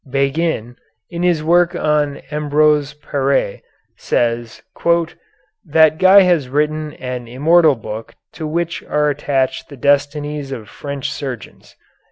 Bégin, in his work on Ambroise Paré, says "that Guy has written an immortal book to which are attached the destinies of French surgeons."